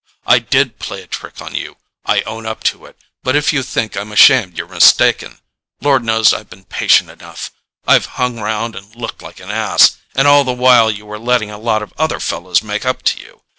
"I DID play a trick on you; I own up to it; but if you think I'm ashamed you're mistaken. Lord knows I've been patient enough—I've hung round and looked like an ass. And all the while you were letting a lot of other fellows make up to you